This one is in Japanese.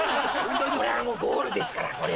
これはもうゴールですから。